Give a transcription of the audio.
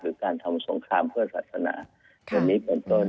การทำสงครามเพื่อศาสนาตรงนี้เป็นต้น